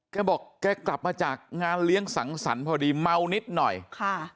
แกบอกแกกลับมาจากงานเลี้ยงสังสรรคพอดีเมานิดหน่อยค่ะ